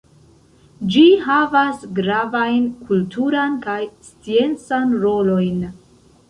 Ĝi havas gravajn kulturan kaj sciencan rolojn.